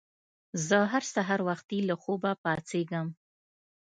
زه هر سهار وختي له خوبه پاڅیږم.